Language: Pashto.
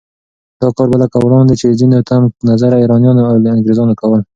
دا کار به لکه وړاندې چې ځينو تنګ نظره ایرانیانو او انګریزانو کول